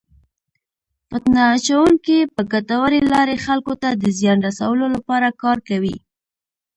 فتنه اچونکي په ګټورې لارې خلکو ته د زیان رسولو لپاره کار کوي.